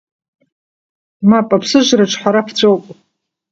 Мап, аԥсыжра аҿҳәара ԥҵәоуп.